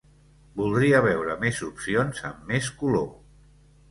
Voldria veure més opcions, amb més color.